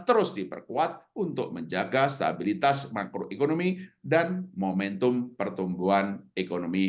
terus diperkuat untuk menjaga stabilitas makroekonomi dan momentum pertumbuhan ekonomi